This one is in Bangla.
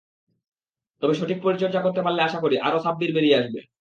তবে সঠিক পরিচর্যা করতে পারলে আশা করি, আরও সাব্বির বেরিয়ে আসবে।